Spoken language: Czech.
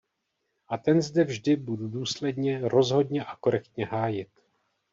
A ten zde vždy budu důsledně, rozhodně a korektně hájit.